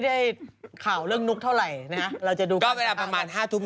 ได้ข่าวเรื่องนุ๊กเท่าไหร่นะฮะเราจะดูก็เวลาประมาณห้าทุ่ม